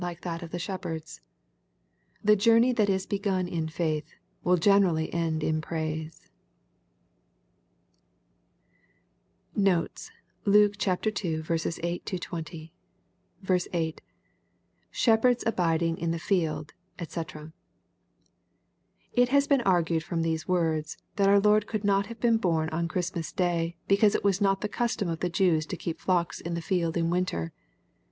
like that cf the shepherds. The joamey that is begun in faith, will generally end in praise. Notes. Luke II. 8—20. 8. — [Sheplierds abiding in the Jiddy dx.] It has been argued from these words, that our Lord could not have been bom on Ohristmaa day, because it was not the custom of the Jews to keep flocks in the field in winter.